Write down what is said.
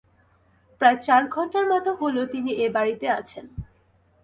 প্রায় চার ঘন্টার মতো হল, তিনি এ বাড়িতে আছেন।